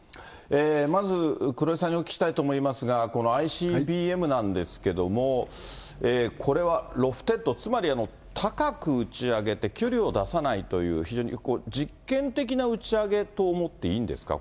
まず黒井さんにお聞きしたいと思いますが、ＩＣＢＭなんですけども、これはロフテッド、つまり高く打ち上げて、距離を出さないという、非常に実験的な打ち上げと思っていいんですか？